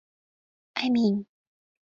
Аминь.